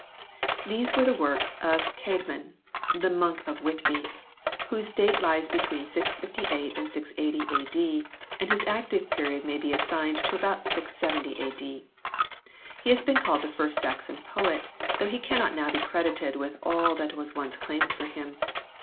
These were the work of Ceedmon, the monk of Whitby, whose date lies between 658 and 680 A.D., and whose active period may be assigned to about 670 A.D. He has been called the first Saxon poet, though he cannot now be credited with all that was once claimed for him.